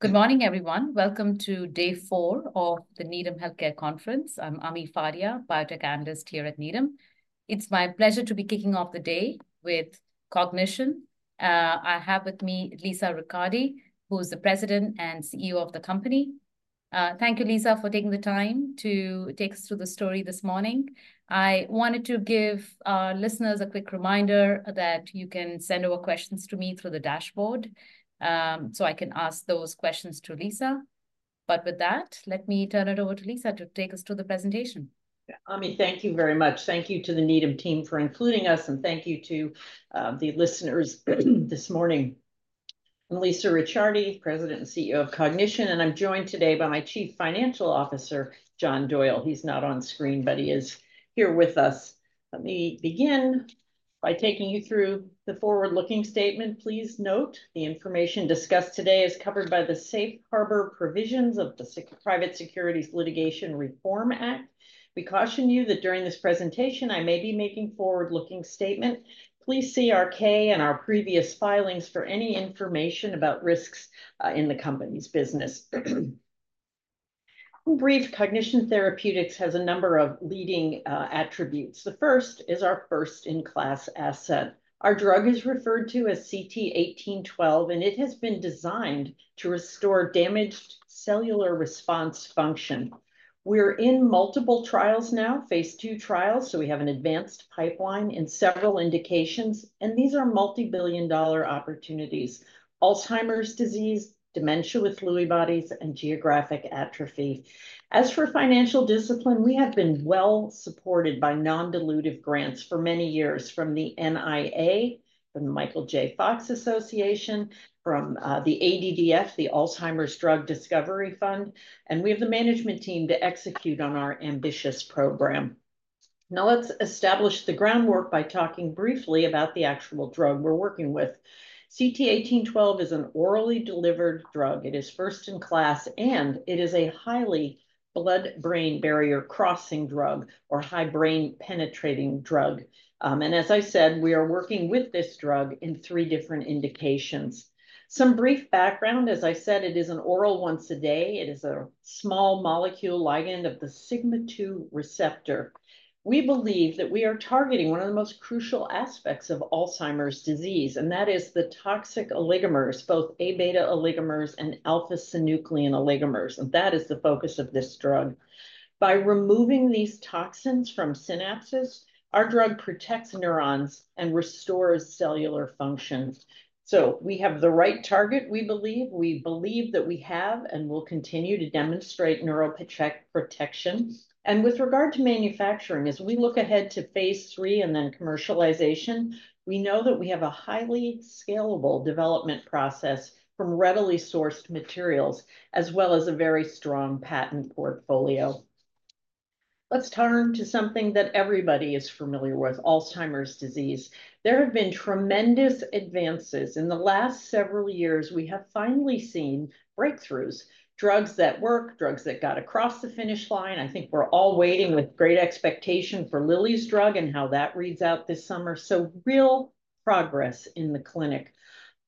Good morning, everyone. Welcome to Day four of the Needham Healthcare Conference. I'm Ami Fadia, biotech analyst here at Needham. It's my pleasure to be kicking off the day with Cognition. I have with me Lisa Ricciardi, who is the President and CEO of the company. Thank you, Lisa, for taking the time to take us through the story this morning. I wanted to give our listeners a quick reminder that you can send over questions to me through the dashboard so I can ask those questions to Lisa. With that, let me turn it over to Lisa to take us through the presentation. Ami, thank you very much. Thank you to the Needham team for including us, and thank you to the listeners this morning. I'm Lisa Ricciardi, President and CEO of Cognition, and I'm joined today by my Chief Financial Officer, John Doyle. He's not on screen, but he is here with us. Let me begin by taking you through the forward-looking statement. Please note the information discussed today is covered by the Safe Harbor Provisions of the Private Securities Litigation Reform Act. We caution you that during this presentation I may be making forward-looking statements. Please see our K and our previous filings for any information about risks in the company's business. In brief, Cognition Therapeutics has a number of leading attributes. The first is our first-in-class asset. Our drug is referred to as CT1812, and it has been designed to restore damaged cellular response function. We're in multiple trials now, phase 2 trials, so we have an advanced pipeline in several indications, and these are multi-billion-dollar opportunities: Alzheimer's disease, dementia with Lewy bodies, and geographic atrophy. As for financial discipline, we have been well supported by non-dilutive grants for many years from the NIA, from the Michael J. Fox Association, from the ADDF, the Alzheimer's Drug Discovery Foundation, and we have the management team to execute on our ambitious program. Now let's establish the groundwork by talking briefly about the actual drug we're working with. CT1812 is an orally delivered drug. It is first-in-class, and it is a highly blood-brain barrier crossing drug or high-brain penetrating drug. As I said, we are working with this drug in three different indications. Some brief background: as I said, it is an oral once a day. It is a small molecule ligand of the Sigma-2 receptor. We believe that we are targeting one of the most crucial aspects of Alzheimer's disease, and that is the toxic oligomers, both A beta oligomers and alpha-synuclein oligomers. That is the focus of this drug. By removing these toxins from synapses, our drug protects neurons and restores cellular function. We have the right target, we believe. We believe that we have and will continue to demonstrate neuroprotection. With regard to manufacturing, as we look ahead to phase 3 and then commercialization, we know that we have a highly scalable development process from readily sourced materials as well as a very strong patent portfolio. Let's turn to something that everybody is familiar with: Alzheimer's disease. There have been tremendous advances. In the last several years, we have finally seen breakthroughs: drugs that work, drugs that got across the finish line. I think we're all waiting with great expectation for Lilly's drug and how that reads out this summer. So real progress in the clinic.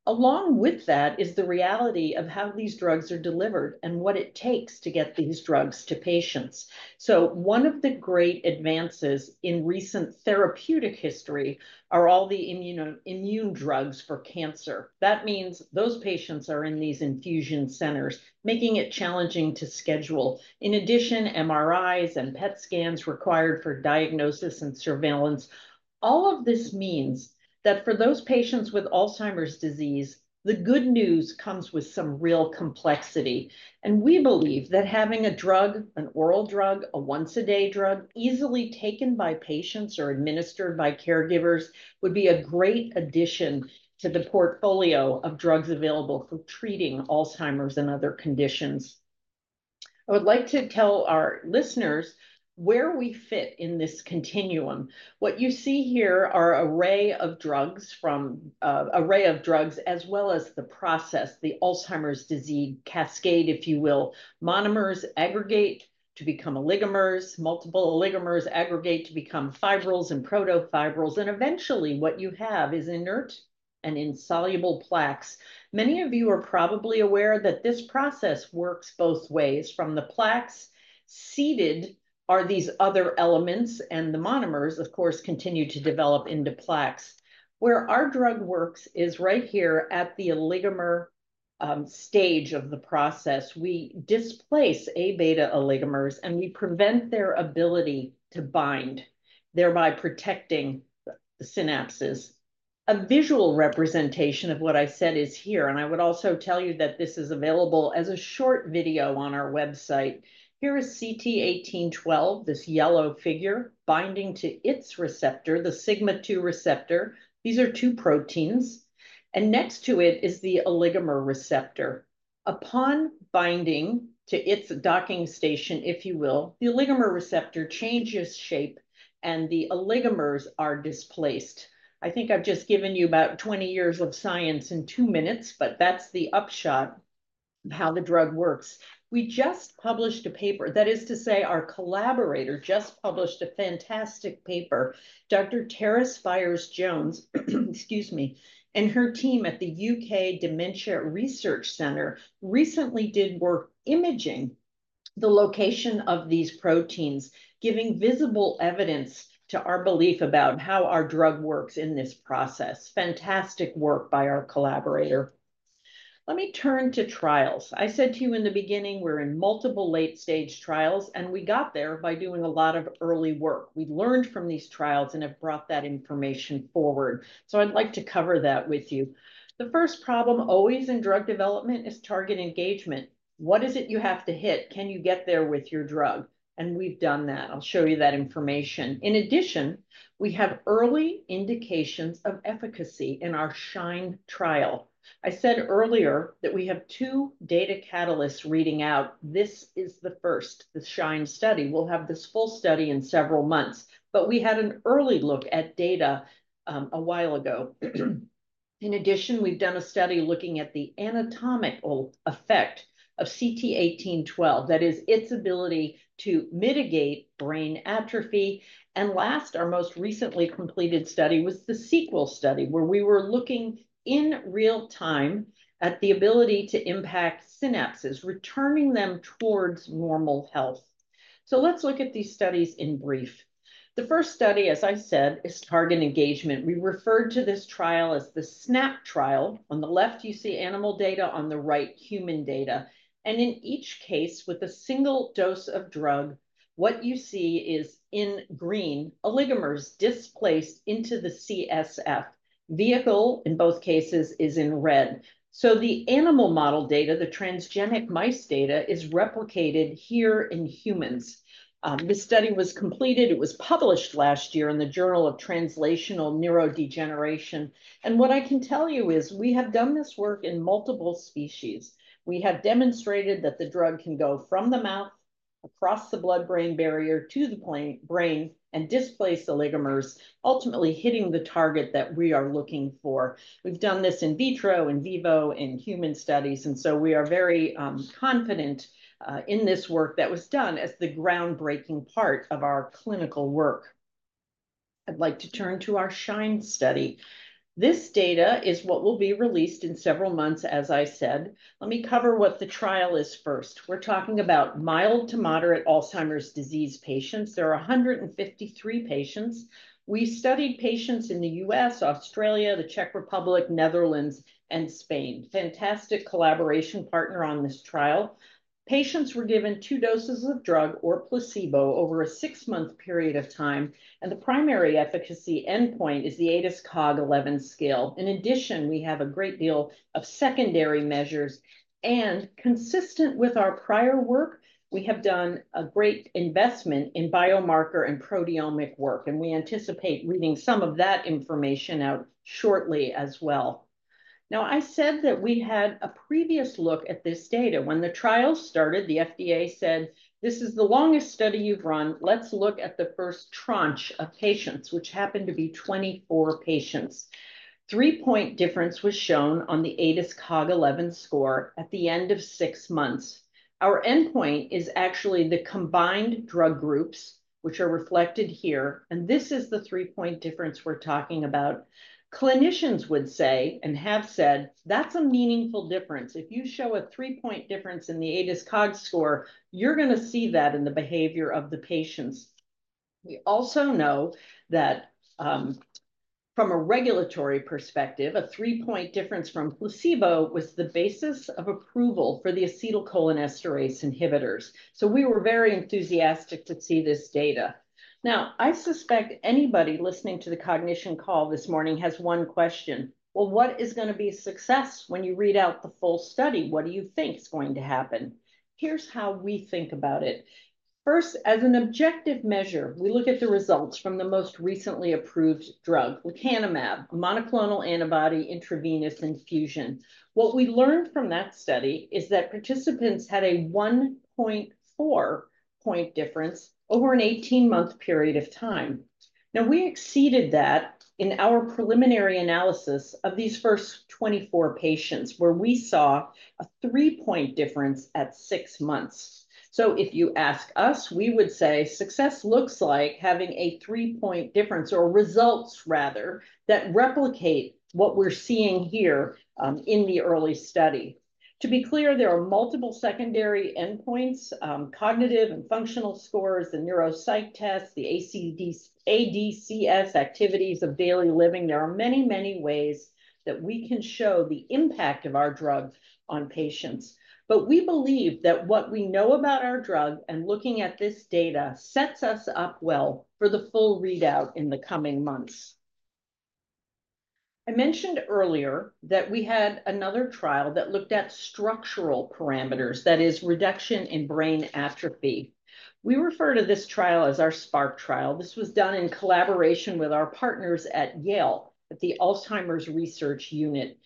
Along with that is the reality of how these drugs are delivered and what it takes to get these drugs to patients. So one of the great advances in recent therapeutic history are all the immune drugs for cancer. That means those patients are in these infusion centers, making it challenging to schedule. In addition, MRIs and PET scans required for diagnosis and surveillance. All of this means that for those patients with Alzheimer's disease, the good news comes with some real complexity. We believe that having a drug, an oral drug, a once-a-day drug easily taken by patients or administered by caregivers would be a great addition to the portfolio of drugs available for treating Alzheimer's and other conditions. I would like to tell our listeners where we fit in this continuum. What you see here are an array of drugs from an array of drugs as well as the process, the Alzheimer's disease cascade, if you will. Monomers aggregate to become oligomers, multiple oligomers aggregate to become fibrils and protofibrils, and eventually what you have is inert and insoluble plaques. Many of you are probably aware that this process works both ways. From the plaques, seeded are these other elements, and the monomers, of course, continue to develop into plaques. Where our drug works is right here at the oligomer stage of the process. We displace A beta oligomers, and we prevent their ability to bind, thereby protecting the synapses. A visual representation of what I said is here, and I would also tell you that this is available as a short video on our website. Here is CT1812, this yellow figure, binding to its receptor, the Sigma-2 receptor. These are two proteins. And next to it is the oligomer receptor. Upon binding to its docking station, if you will, the oligomer receptor changes shape, and the oligomers are displaced. I think I've just given you about 20 years of science in two minutes, but that's the upshot of how the drug works. We just published a paper. That is to say, our collaborator just published a fantastic paper, Dr. Tara Spires-Jones, excuse me, and her team at the U.K. Dementia Research Institute recently did work imaging the location of these proteins, giving visible evidence to our belief about how our drug works in this process. Fantastic work by our collaborator. Let me turn to trials. I said to you in the beginning we're in multiple late-stage trials, and we got there by doing a lot of early work. We learned from these trials and have brought that information forward. I'd like to cover that with you. The first problem always in drug development is target engagement. What is it you have to hit? Can you get there with your drug? We've done that. I'll show you that information. In addition, we have early indications of efficacy in our SHINE trial. I said earlier that we have two data catalysts reading out. This is the first, the SHINE study. We'll have this full study in several months, but we had an early look at data a while ago. In addition, we've done a study looking at the anatomical effect of CT1812. That is its ability to mitigate brain atrophy. And last, our most recently completed study was the SEQUEL study, where we were looking in real time at the ability to impact synapses, returning them towards normal health. So let's look at these studies in brief. The first study, as I said, is target engagement. We referred to this trial as the SNAP trial. On the left, you see animal data; on the right, human data. And in each case, with a single dose of drug, what you see is, in green, oligomers displaced into the CSF. Vehicle, in both cases, is in red. So the animal model data, the transgenic mice data, is replicated here in humans. This study was completed. It was published last year in the Journal of Translational Neurodegeneration. And what I can tell you is we have done this work in multiple species. We have demonstrated that the drug can go from the mouth, across the blood-brain barrier to the brain, and displace oligomers, ultimately hitting the target that we are looking for. We've done this in vitro, in vivo, in human studies, and so we are very confident in this work that was done as the groundbreaking part of our clinical work. I'd like to turn to our SHINE study. This data is what will be released in several months, as I said. Let me cover what the trial is first. We're talking about mild to moderate Alzheimer's disease patients. There are 153 patients. We studied patients in the U.S., Australia, the Czech Republic, Netherlands, and Spain. Fantastic collaboration partner on this trial. Patients were given two doses of drug or placebo over a six-month period of time, and the primary efficacy endpoint is the ADAS-Cog11 scale. In addition, we have a great deal of secondary measures. Consistent with our prior work, we have done a great investment in biomarker and proteomic work, and we anticipate reading some of that information out shortly as well. Now, I said that we had a previous look at this data. When the trial started, the FDA said, "This is the longest study you've run. Let's look at the first tranche of patients," which happened to be 24 patients. A 3-point difference was shown on the ADAS-Cog11 score at the end of six months. Our endpoint is actually the combined drug groups, which are reflected here, and this is the 3-point difference we're talking about. Clinicians would say and have said, "That's a meaningful difference. If you show a 3-point difference in the ADAS-Cog score, you're going to see that in the behavior of the patients." We also know that from a regulatory perspective, a 3-point difference from placebo was the basis of approval for the acetylcholinesterase inhibitors. So we were very enthusiastic to see this data. Now, I suspect anybody listening to the Cognition call this morning has one question: "Well, what is going to be success when you read out the full study? What do you think is going to happen?" Here's how we think about it. First, as an objective measure, we look at the results from the most recently approved drug, lecanemab, a monoclonal antibody intravenous infusion. What we learned from that study is that participants had a 1.4 point difference over an 18-month period of time. Now, we exceeded that in our preliminary analysis of these first 24 patients, where we saw a 3-point difference at six months. So if you ask us, we would say success looks like having a 3-point difference or results, rather, that replicate what we're seeing here in the early study. To be clear, there are multiple secondary endpoints: cognitive and functional scores, the neuropsych test, the ADCS activities of daily living. There are many, many ways that we can show the impact of our drug on patients. But we believe that what we know about our drug and looking at this data sets us up well for the full readout in the coming months. I mentioned earlier that we had another trial that looked at structural parameters. That is, reduction in brain atrophy. We refer to this trial as our SPARK trial. This was done in collaboration with our partners at Yale's Alzheimer's Disease Research Unit.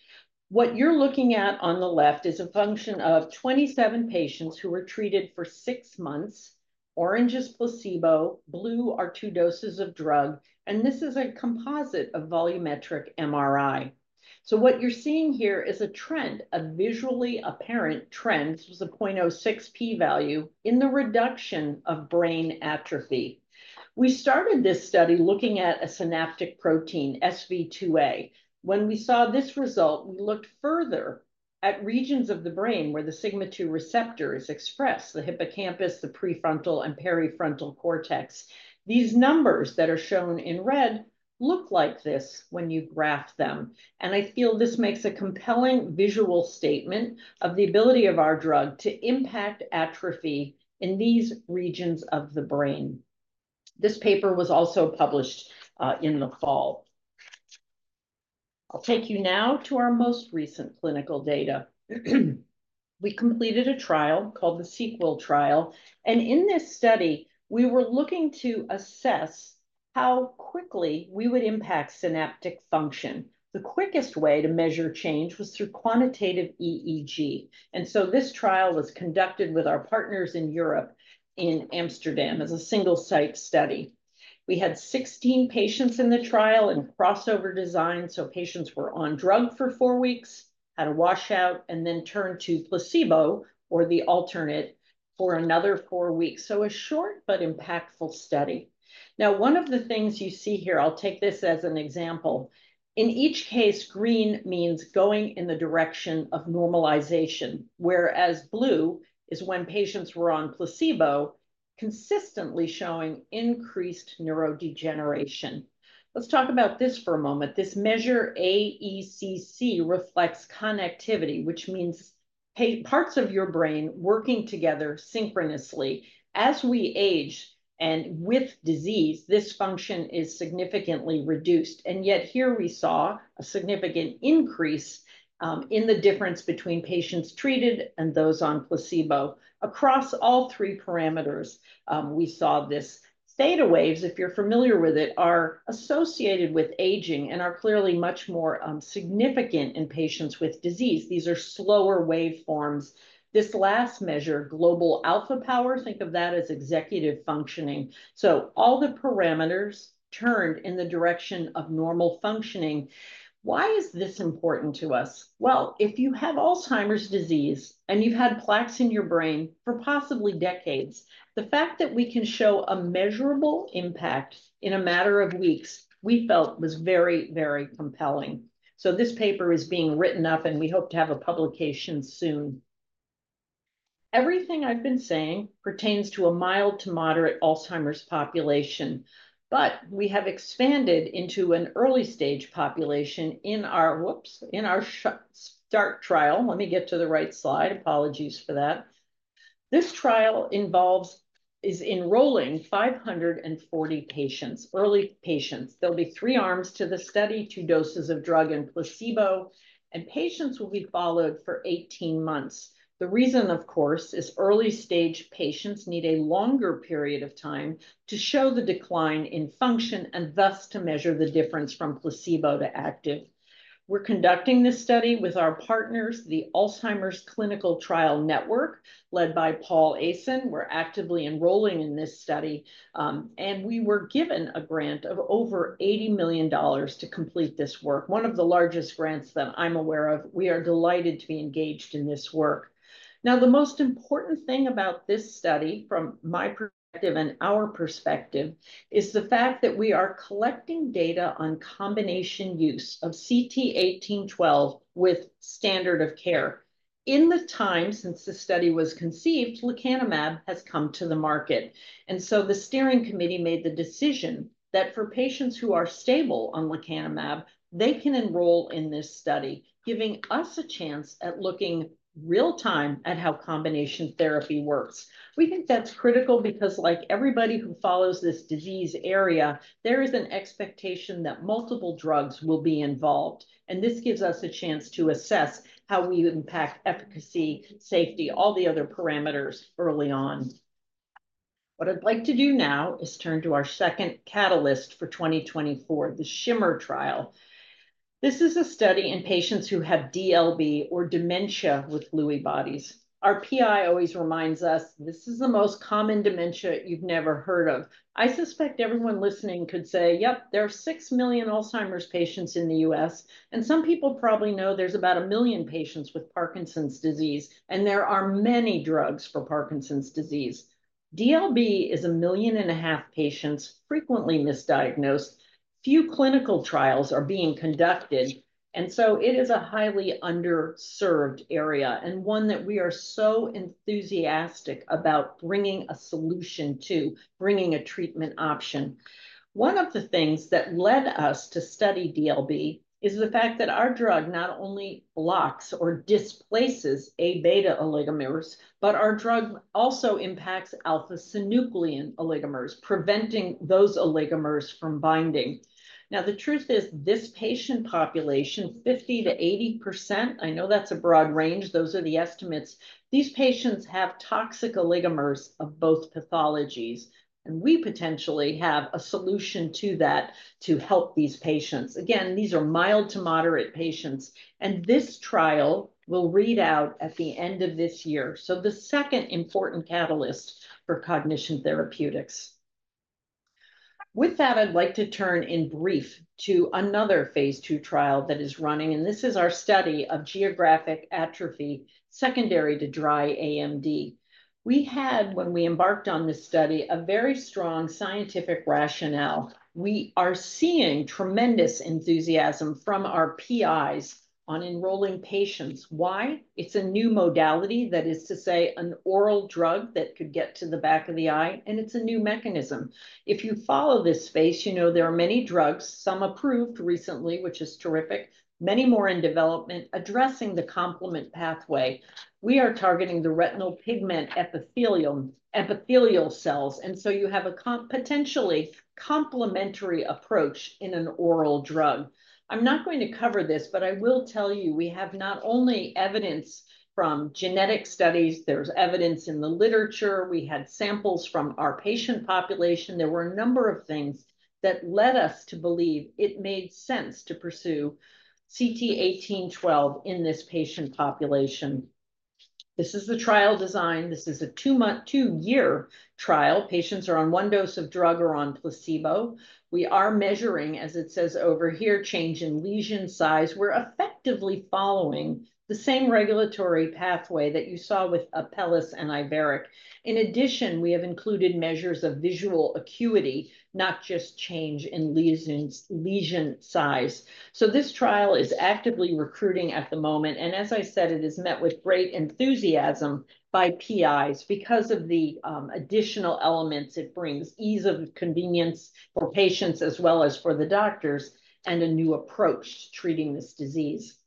What you're looking at on the left is a function of 27 patients who were treated for six months. Orange is placebo. Blue are two doses of drug. And this is a composite of volumetric MRI. So what you're seeing here is a trend, a visually apparent trend. This was a 0.06 p-value in the reduction of brain atrophy. We started this study looking at a synaptic protein, SV2A. When we saw this result, we looked further at regions of the brain where the Sigma-2 receptors express: the hippocampus, the prefrontal, and prefrontal cortex. These numbers that are shown in red look like this when you graph them. I feel this makes a compelling visual statement of the ability of our drug to impact atrophy in these regions of the brain. This paper was also published in the fall. I'll take you now to our most recent clinical data. We completed a trial called the SEQUEL trial. In this study, we were looking to assess how quickly we would impact synaptic function. The quickest way to measure change was through quantitative EEG. So this trial was conducted with our partners in Europe in Amsterdam as a single-site study. We had 16 patients in the trial in crossover design. Patients were on drug for four weeks, had a washout, and then turned to placebo or the alternate for another four weeks. A short but impactful study. Now, one of the things you see here, I'll take this as an example. In each case, green means going in the direction of normalization, whereas blue is when patients were on placebo consistently showing increased neurodegeneration. Let's talk about this for a moment. This measure, AECC, reflects connectivity, which means parts of your brain working together synchronously. As we age and with disease, this function is significantly reduced. And yet here we saw a significant increase in the difference between patients treated and those on placebo. Across all three parameters, we saw this: theta waves, if you're familiar with it, are associated with aging and are clearly much more significant in patients with disease. These are slower waveforms. This last measure, global alpha power, think of that as executive functioning. So all the parameters turned in the direction of normal functioning. Why is this important to us? Well, if you have Alzheimer's disease and you've had plaques in your brain for possibly decades, the fact that we can show a measurable impact in a matter of weeks, we felt was very, very compelling. So this paper is being written up, and we hope to have a publication soon. Everything I've been saying pertains to a mild to moderate Alzheimer's population, but we have expanded into an early-stage population in our whoops, in our START trial. Let me get to the right slide. Apologies for that. This trial is enrolling 540 patients, early patients. There'll be three arms to the study: two doses of drug and placebo. And patients will be followed for 18 months. The reason, of course, is early-stage patients need a longer period of time to show the decline in function and thus to measure the difference from placebo to active. We're conducting this study with our partners, the Alzheimer's Clinical Trials Consortium, led by Paul Aisen. We're actively enrolling in this study. We were given a grant of over $80 million to complete this work, one of the largest grants that I'm aware of. We are delighted to be engaged in this work. Now, the most important thing about this study, from my perspective and our perspective, is the fact that we are collecting data on combination use of CT1812 with standard of care. In the time since the study was conceived, lecanemab has come to the market. So the steering committee made the decision that for patients who are stable on lecanemab, they can enroll in this study, giving us a chance at looking real-time at how combination therapy works. We think that's critical because, like everybody who follows this disease area, there is an expectation that multiple drugs will be involved. And this gives us a chance to assess how we impact efficacy, safety, all the other parameters early on. What I'd like to do now is turn to our second catalyst for 2024, the SHIMMER trial. This is a study in patients who have DLB or dementia with Lewy bodies. Our PI always reminds us, "This is the most common dementia you've never heard of." I suspect everyone listening could say, "Yep, there are six million Alzheimer's patients in the U.S." And some people probably know there's about one million patients with Parkinson's disease, and there are many drugs for Parkinson's disease. DLB is 1.5 million patients, frequently misdiagnosed. Few clinical trials are being conducted. It is a highly underserved area and one that we are so enthusiastic about bringing a solution to, bringing a treatment option. One of the things that led us to study DLB is the fact that our drug not only blocks or displaces A beta oligomers, but our drug also impacts alpha-synuclein oligomers, preventing those oligomers from binding. Now, the truth is, this patient population, 50%-80%, I know that's a broad range. Those are the estimates. These patients have toxic oligomers of both pathologies. We potentially have a solution to that to help these patients. Again, these are mild to moderate patients. This trial will read out at the end of this year. The second important catalyst for Cognition Therapeutics. With that, I'd like to turn in brief to another phase 2 trial that is running, and this is our study of geographic atrophy secondary to dry AMD. We had, when we embarked on this study, a very strong scientific rationale. We are seeing tremendous enthusiasm from our PIs on enrolling patients. Why? It's a new modality, that is to say, an oral drug that could get to the back of the eye, and it's a new mechanism. If you follow this space, you know there are many drugs, some approved recently, which is terrific, many more in development addressing the complement pathway. We are targeting the retinal pigment epithelial cells. And so you have a potentially complementary approach in an oral drug. I'm not going to cover this, but I will tell you we have not only evidence from genetic studies. There's evidence in the literature. We had samples from our patient population. There were a number of things that led us to believe it made sense to pursue CT1812 in this patient population. This is the trial design. This is a two-year trial. Patients are on one dose of drug or on placebo. We are measuring, as it says over here, change in lesion size. We're effectively following the same regulatory pathway that you saw with Apellis and Iveric. In addition, we have included measures of visual acuity, not just change in lesion size. This trial is actively recruiting at the moment. And as I said, it is met with great enthusiasm by PIs because of the additional elements it brings: ease of convenience for patients as well as for the doctors, and a new approach to treating this disease.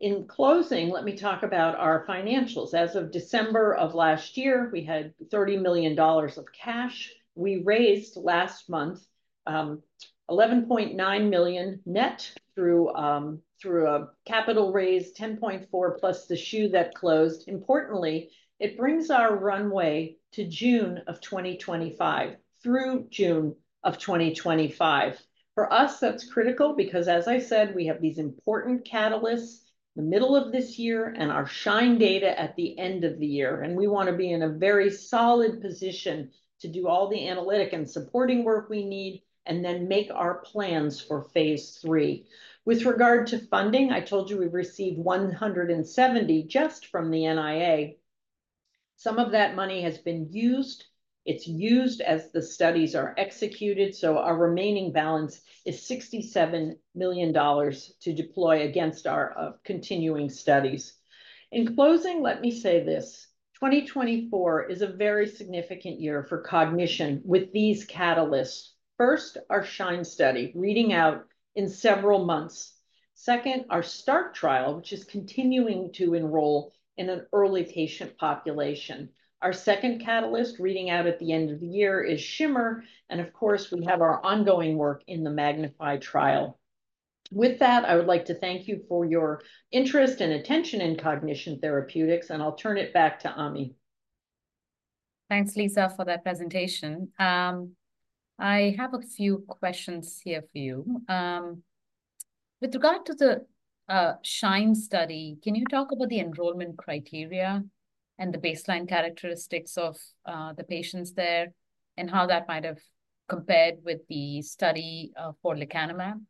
In closing, let me talk about our financials. As of December of last year, we had $30 million of cash. We raised last month $11.9 million net through a capital raise, $10.4 million plus the shoe that closed. Importantly, it brings our runway to June of 2025, through June of 2025. For us, that's critical because, as I said, we have these important catalysts in the middle of this year and our SHINE data at the end of the year. We want to be in a very solid position to do all the analytic and supporting work we need and then make our plans for phase 3. With regard to funding, I told you we received $170 million just from the NIA. Some of that money has been used. It's used as the studies are executed. Our remaining balance is $67 million to deploy against our continuing studies. In closing, let me say this: 2024 is a very significant year for Cognition with these catalysts. First, our SHINE study reading out in several months. Second, our START trial, which is continuing to enroll in an early patient population. Our second catalyst reading out at the end of the year is SHIMMER. And of course, we have our ongoing work in the MAGNIFY trial. With that, I would like to thank you for your interest and attention in Cognition Therapeutics. And I'll turn it back to Ami. Thanks, Lisa, for that presentation. I have a few questions here for you. With regard to the SHINE study, can you talk about the enrollment criteria and the baseline characteristics of the patients there and how that might have compared with the study for lecanemab?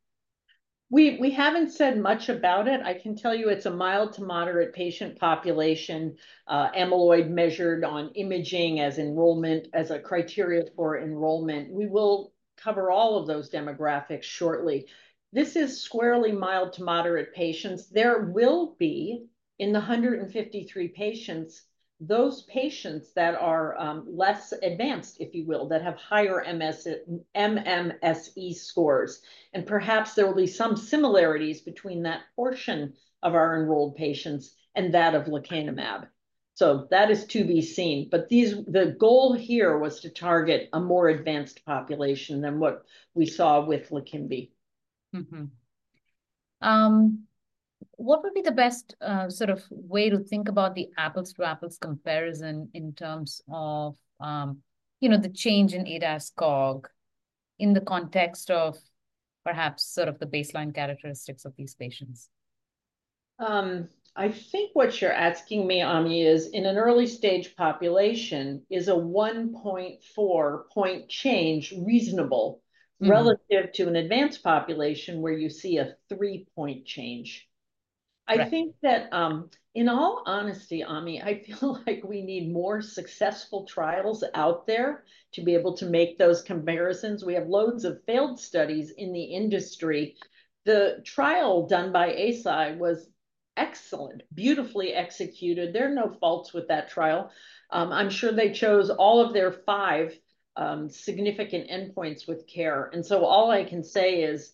We haven't said much about it. I can tell you it's a mild to moderate patient population, amyloid measured on imaging as a criteria for enrollment. We will cover all of those demographics shortly. This is squarely mild to moderate patients. There will be, in the 153 patients, those patients that are less advanced, if you will, that have higher MMSE scores. And perhaps there will be some similarities between that portion of our enrolled patients and that of lecanemab. So that is to be seen. But the goal here was to target a more advanced population than what we saw with LEQEMBI. What would be the best sort of way to think about the apples-to-apples comparison in terms of the change in ADAS-Cog in the context of perhaps sort of the baseline characteristics of these patients? I think what you're asking me, Ami, is in an early-stage population is a 1.4-point change reasonable relative to an advanced population where you see a 3-point change. I think that, in all honesty, Ami, I feel like we need more successful trials out there to be able to make those comparisons. We have loads of failed studies in the industry. The trial done by ACTC was excellent, beautifully executed. There are no faults with that trial. I'm sure they chose all of their 5 significant endpoints with care. So all I can say is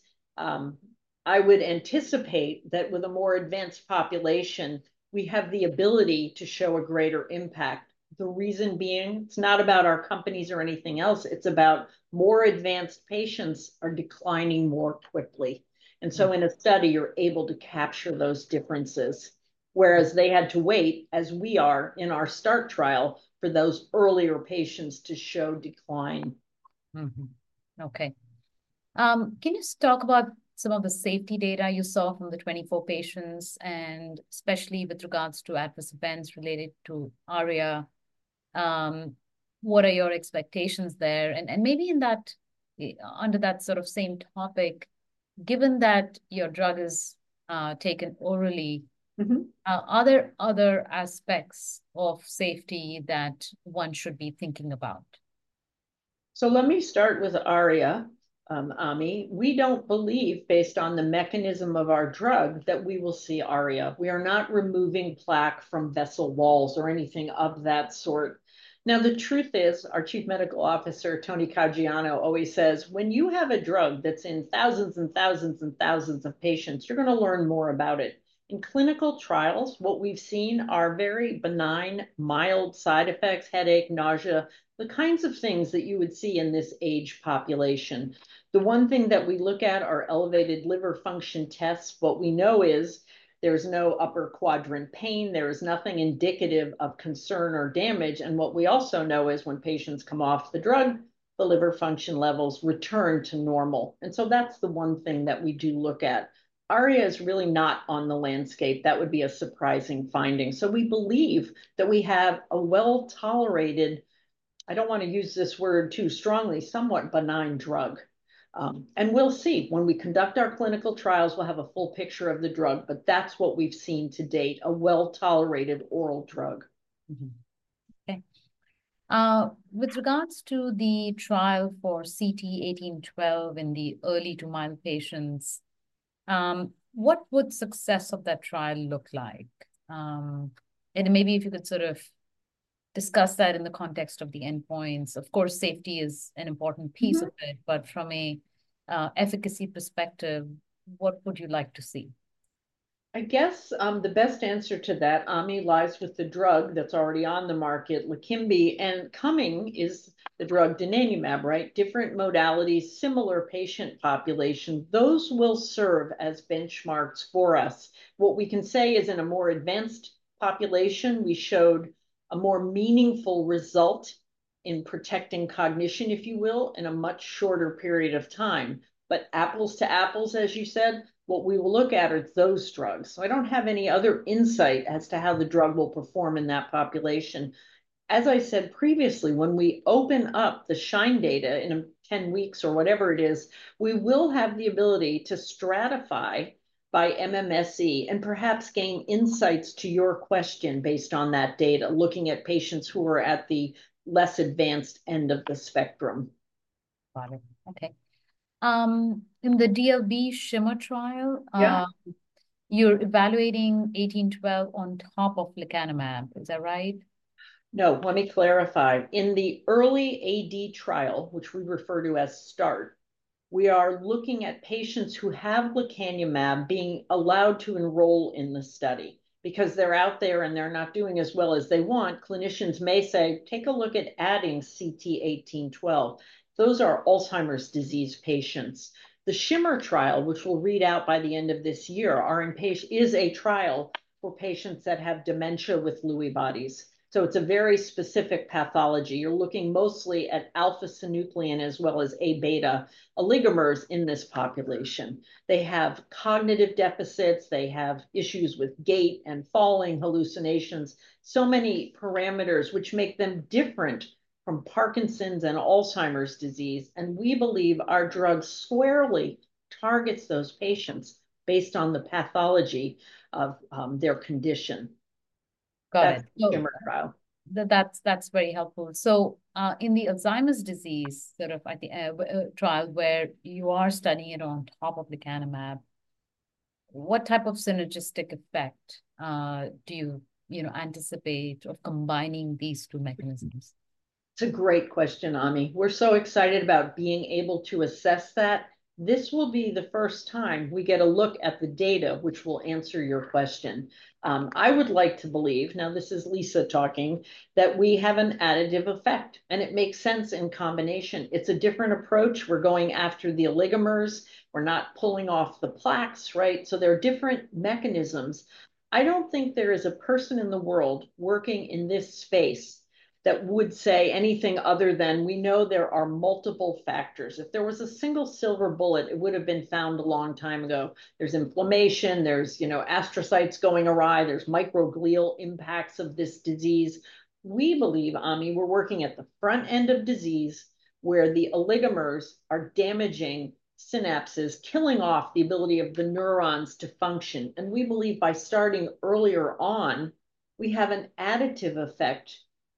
I would anticipate that with a more advanced population, we have the ability to show a greater impact. The reason being, it's not about our companies or anything else. It's about more advanced patients are declining more quickly. And so in a study, you're able to capture those differences, whereas they had to wait, as we are in our START trial, for those earlier patients to show decline. Okay. Can you talk about some of the safety data you saw from the 24 patients, and especially with regards to adverse events related to ARIA? What are your expectations there? And maybe under that sort of same topic, given that your drug is taken orally, are there other aspects of safety that one should be thinking about? So let me start with ARIA, Ami. We don't believe, based on the mechanism of our drug, that we will see ARIA. We are not removing plaque from vessel walls or anything of that sort. Now, the truth is, our Chief Medical Officer, Tony Caggiano, always says, "When you have a drug that's in thousands and thousands and thousands of patients, you're going to learn more about it." In clinical trials, what we've seen are very benign mild side effects: headache, nausea, the kinds of things that you would see in this age population. The one thing that we look at are elevated liver function tests. What we know is there's no upper quadrant pain. There is nothing indicative of concern or damage. And what we also know is when patients come off the drug, the liver function levels return to normal. That's the one thing that we do look at. ARIA is really not on the landscape. That would be a surprising finding. We believe that we have a well-tolerated, I don't want to use this word too strongly, somewhat benign drug. We'll see. When we conduct our clinical trials, we'll have a full picture of the drug. That's what we've seen to date: a well-tolerated oral drug. Okay. With regards to the trial for CT1812 in the early-to-mild patients, what would success of that trial look like? Maybe if you could sort of discuss that in the context of the endpoints. Of course, safety is an important piece of it. From an efficacy perspective, what would you like to see? I guess the best answer to that, Ami, lies with the drug that's already on the market, LEQEMBI. And coming is the drug donanumab, right? Different modalities, similar patient population. Those will serve as benchmarks for us. What we can say is in a more advanced population, we showed a more meaningful result in protecting cognition, if you will, in a much shorter period of time. But apples to apples, as you said, what we will look at are those drugs. So I don't have any other insight as to how the drug will perform in that population. As I said previously, when we open up the SHINE data in 10 weeks or whatever it is, we will have the ability to stratify by MMSE and perhaps gain insights to your question based on that data, looking at patients who are at the less advanced end of the spectrum. Got it. Okay. In the DLB SHIMMER trial, you're evaluating CT1812 on top of lecanemab. Is that right? No, let me clarify. In the early AD trial, which we refer to as START, we are looking at patients who have lecanemab being allowed to enroll in the study. Because they're out there and they're not doing as well as they want, clinicians may say, "Take a look at adding CT1812." Those are Alzheimer's disease patients. The SHIMMER trial, which we'll read out by the end of this year, is a trial for patients that have dementia with Lewy bodies. So it's a very specific pathology. You're looking mostly at alpha-synuclein as well as A beta oligomers in this population. They have cognitive deficits. They have issues with gait and falling, hallucinations, so many parameters which make them different from Parkinson's and Alzheimer's disease. And we believe our drug squarely targets those patients based on the pathology of their condition. Got it. That's very helpful. That's very helpful. So in the Alzheimer's disease sort of trial where you are studying it on top of lecanemab, what type of synergistic effect do you anticipate of combining these two mechanisms? It's a great question, Ami. We're so excited about being able to assess that. This will be the first time we get a look at the data, which will answer your question. I would like to believe, now, this is Lisa talking, that we have an additive effect. It makes sense in combination. It's a different approach. We're going after the oligomers. We're not pulling off the plaques, right? So there are different mechanisms. I don't think there is a person in the world working in this space that would say anything other than, "We know there are multiple factors." If there was a single silver bullet, it would have been found a long time ago. There's inflammation. There's astrocytes going awry. There's microglial impacts of this disease. We believe, Ami, we're working at the front end of disease where the oligomers are damaging synapses, killing off the ability of the neurons to function. We believe by starting earlier on, we have an additive effect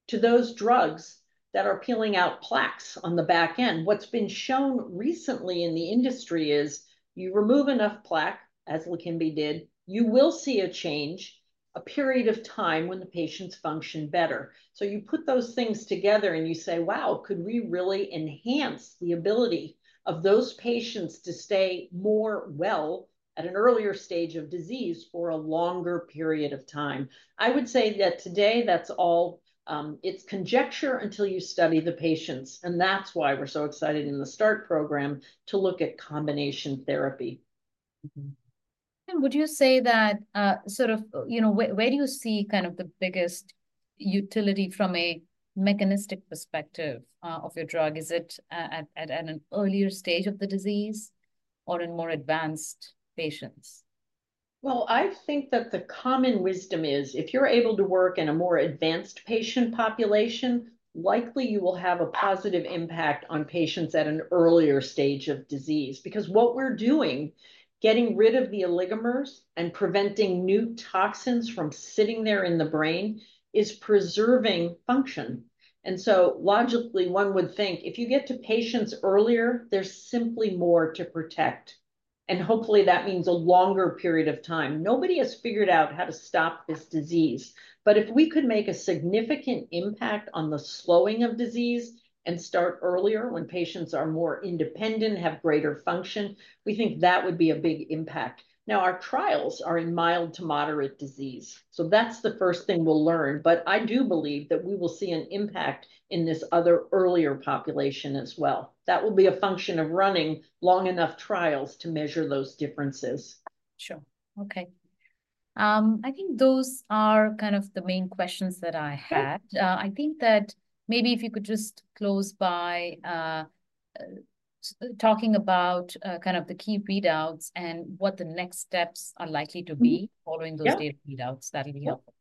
to those drugs that are peeling out plaques on the back end. What's been shown recently in the industry is you remove enough plaque, as LEQEMBI did, you will see a change, a period of time when the patients function better. You put those things together and you say, "Wow, could we really enhance the ability of those patients to stay more well at an earlier stage of disease for a longer period of time?" I would say that today, it's conjecture until you study the patients. That's why we're so excited in the START program to look at combination therapy. Would you say that sort of where do you see kind of the biggest utility from a mechanistic perspective of your drug? Is it at an earlier stage of the disease or in more advanced patients? Well, I think that the common wisdom is if you're able to work in a more advanced patient population, likely you will have a positive impact on patients at an earlier stage of disease. Because what we're doing, getting rid of the oligomers and preventing new toxins from sitting there in the brain, is preserving function. And so logically, one would think if you get to patients earlier, there's simply more to protect. And hopefully, that means a longer period of time. Nobody has figured out how to stop this disease. But if we could make a significant impact on the slowing of disease and start earlier when patients are more independent, have greater function, we think that would be a big impact. Now, our trials are in mild to moderate disease. So that's the first thing we'll learn. But I do believe that we will see an impact in this other earlier population as well. That will be a function of running long enough trials to measure those differences. Sure. Okay. I think those are kind of the main questions that I had. I think that maybe if you could just close by talking about kind of the key readouts and what the next steps are likely to be following those data readouts, that'll be helpful.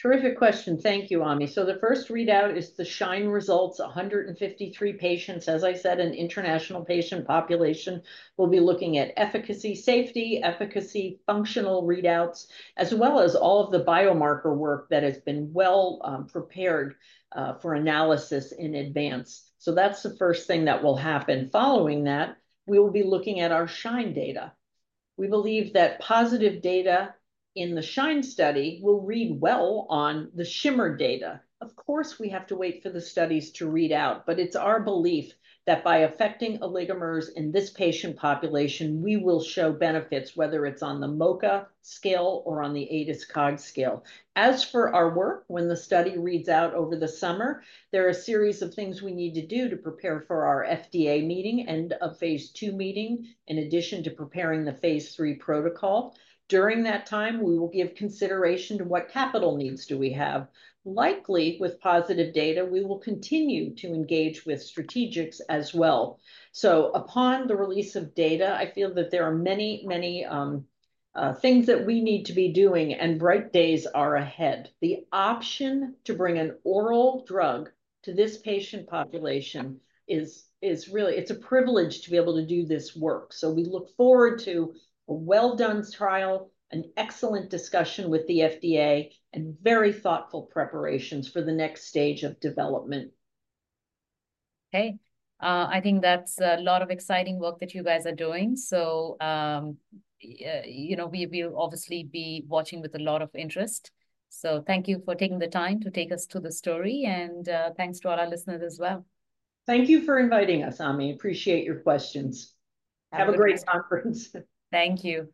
Terrific question. Thank you, Ami. So the first readout is the SHINE results, 153 patients. As I said, an international patient population. We'll be looking at efficacy, safety, efficacy, functional readouts, as well as all of the biomarker work that has been well prepared for analysis in advance. So that's the first thing that will happen. Following that, we will be looking at our SHINE data. We believe that positive data in the SHINE study will read well on the SHIMMER data. Of course, we have to wait for the studies to read out. But it's our belief that by affecting oligomers in this patient population, we will show benefits, whether it's on the MoCA scale or on the ADAS-Cog scale. As for our work, when the study reads out over the summer, there are a series of things we need to do to prepare for our FDA meeting and a phase 2 meeting, in addition to preparing the phase 3 protocol. During that time, we will give consideration to what capital needs do we have. Likely, with positive data, we will continue to engage with strategics as well. So upon the release of data, I feel that there are many, many things that we need to be doing, and bright days are ahead. The option to bring an oral drug to this patient population is really, it's a privilege to be able to do this work. So we look forward to a well-done trial, an excellent discussion with the FDA, and very thoughtful preparations for the next stage of development. Okay. I think that's a lot of exciting work that you guys are doing. We'll obviously be watching with a lot of interest. Thank you for taking the time to take us through the story. Thanks to all our listeners as well. Thank you for inviting us, Ami. Appreciate your questions. Have a great conference. Thank you.